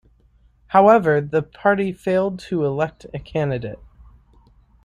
However, the party failed to elect a candidate.